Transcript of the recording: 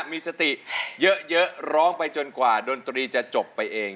มีสติเยอะร้องไปจนกว่าดนตรีจะจบไปเอง